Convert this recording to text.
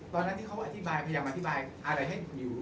เพราะฉะนั้นที่เขาพยายามอธิบายอะไรให้มิว